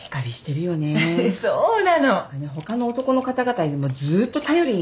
他の男の方々よりもずっと頼りになる。